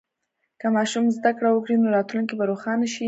که ماشوم زده کړه وکړي، نو راتلونکی به روښانه شي.